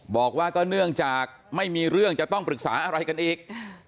บอกว่าก็เนื่องจากไม่มีเรื่องจะต้องปรึกษาอะไรกันอีก